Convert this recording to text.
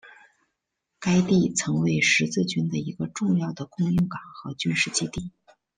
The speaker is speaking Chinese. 该地曾为十字军的一个重要的供应港和军事基地。